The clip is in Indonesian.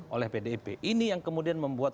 oleh pdip ini yang kemudian membuat